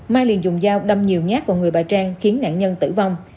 mai liền dùng dao đâm nhiều nhát vào người bà trang khiến nạn nhân tử vong